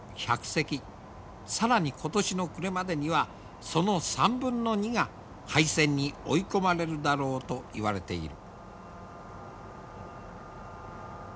更に今年の暮れまでにはその３分の２が廃船に追い込まれるだろうといわれている。